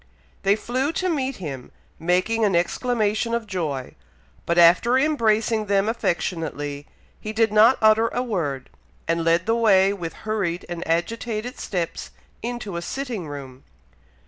They flew to meet him, making an exclamation of joy; but after embracing them affectionately, he did not utter a word, and led the way with hurried and agitated steps into a sitting room.